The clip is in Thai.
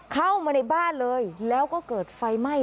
เข้ามาในบ้านเลยแล้วก็เกิดไฟไหม้